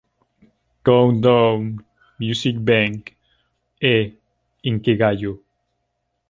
Countdown", "Music Bank", e "Inkigayo".